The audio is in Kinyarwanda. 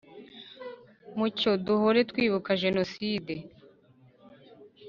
mucyo duhore twibuka jenoside